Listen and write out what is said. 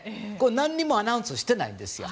何にもアナウンスしてないんですよ。